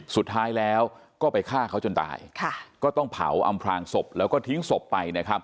สุดท้ายแล้วก็ไปฆ่าเขาจนตายก็ต้องเผาอำพลางศพแล้วก็ทิ้งศพไปนะครับ